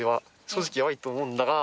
正直ヤバいと思うんだが。